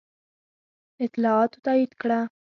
اطلاعاتو تایید کړه.